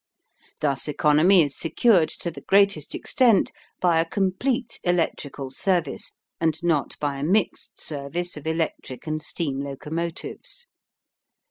Thus economy is secured to the greatest extent by a complete electrical service and not by a mixed service of electric and steam locomotives.